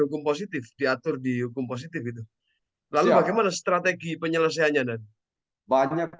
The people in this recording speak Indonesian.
hukum positif diatur di hukum positif itu lalu bagaimana strategi penyelesaiannya dan banyak